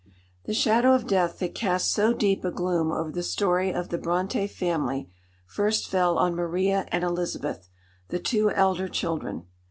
The shadow of death that casts so deep a gloom over the story of the Brontë family, first fell on Maria and Elizabeth, the two elder children.